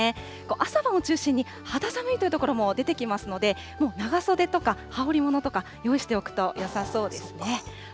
朝晩を中心に肌寒いという所も出てきますので、もう長袖とか羽織りものとか用意しておくとよさそうですね。